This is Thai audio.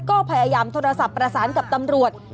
ก็พยายามโทรศัพท์ประสานกับตำรวจ